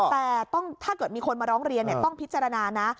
แต่ถ้าเกิดมีคนมาร้องเรียนต้องพิจารณานะ